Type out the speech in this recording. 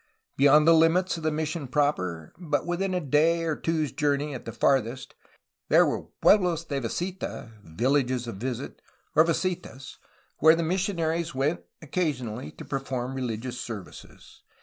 Beyond the Umits of the mission proper, but with in a day or two's journey at the farthest, there were pueblos de visita (villages of visit), or visitas, where the missionaries went occasionally to perform religious services.